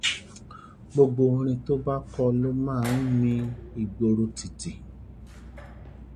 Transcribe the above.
Gbogbo orin tó bá kọ ló má ń mi ìgboro tìtì.